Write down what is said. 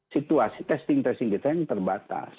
situasi testing tracing kita yang terbatas